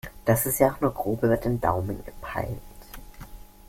Das ist ja auch nur grob über den Daumen gepeilt.